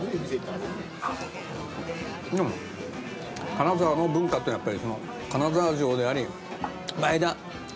金沢の文化っていうのはやっぱり金沢城であり前田加賀